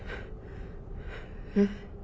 えっ？